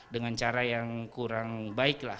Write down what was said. dengan cara yang kurang baik lah